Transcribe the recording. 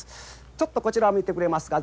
ちょっとこちらを見てくれますか。